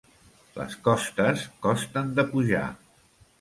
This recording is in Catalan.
Les costes costen de pujar.